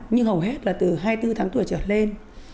nhưng hầu hết là từ hai mươi bốn tháng tuổi trở lên